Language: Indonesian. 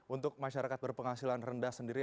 untuk masyarakat berpenghasilan rendah sendiri